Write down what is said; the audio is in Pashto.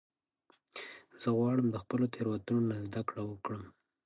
زه غواړم د خپلو تیروتنو نه زده کړه وکړم.